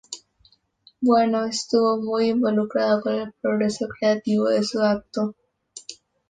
Bueno estuvo muy involucrado con el proceso creativo de su acto.